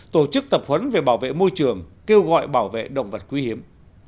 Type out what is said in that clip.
tổ chức tập huấn về bảo vệ môi trường kêu gọi bảo vệ động vật quý hiếm